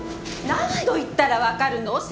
何度言ったらわかるの？